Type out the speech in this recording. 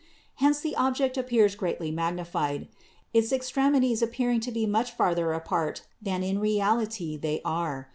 Hence the object appears greatly magnified — its extremities appearing to be much farther apart than in reality they are.